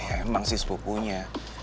emang sih sepupunya